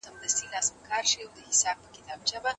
د ماشوم د خوراک وروسته اوبه ورکړئ.